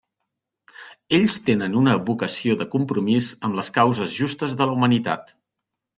Ells tenen una vocació de compromís amb les causes justes de la humanitat.